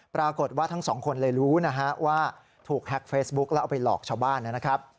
ปรากฏว่าทั้งสองคนเลยรู้นะฮะว่าถูกแฮ็กเฟซบุ๊คแล้วเอาไปหลอกชาวบ้านนะครับ